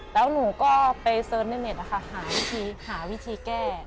แล้วหนูก็ไปเสิร์ชในเน็ตนะคะหาวิธีหาวิธีแก้